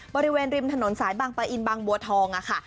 บริเวณริมถนนสายบางปะอินบางบัวทองค่ะ